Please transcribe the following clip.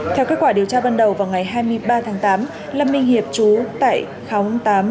theo kết quả điều tra ban đầu vào ngày hai mươi ba tháng tám lâm minh hiệp trú tại khóng tám